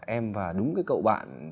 em và đúng cái cậu bạn